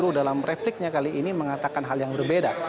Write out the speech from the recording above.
dalam repliknya kali ini mengatakan hal yang berbeda